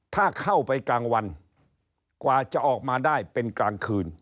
ถ้าเข้าไปกลางวันกว่าจะออกมาได้เป็นกลางคืน